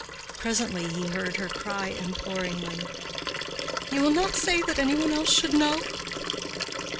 Presently he heard her cry imploringly, "You will not say that any one else should know?"